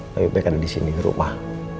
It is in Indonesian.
lebih baik ada disini di rumah